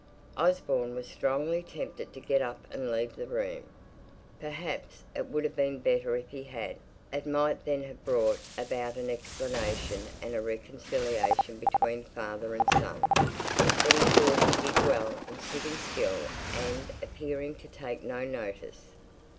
Osborne was strongly tempted to get up and leave the room. Perhaps it would have been better if he had; it might then have brought about an explanation, and a reconciliation between father and son. But he thought he did well in sitting still and appearing to take no notice.